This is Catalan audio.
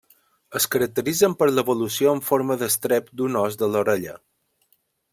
Es caracteritzen per l'evolució en forma d'estrep d'un os de l'orella.